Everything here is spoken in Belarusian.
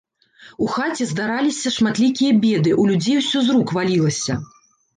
У хаце здараліся шматлікія беды, у людзей усё з рук валілася.